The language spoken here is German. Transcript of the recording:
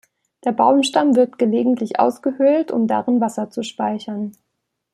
Der Baumstamm wird gelegentlich ausgehöhlt, um darin Wasser zu speichern.